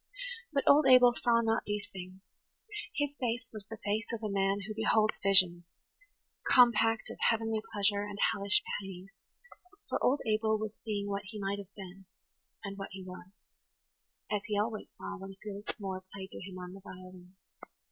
But old Abel saw not these things; his face was the face of a man who beholds visions, compact of heavenly pleasure and hellish pain, for old Abel was seeing what he might have been–and what he was; as he always saw when Felix Moore played to him on the violin.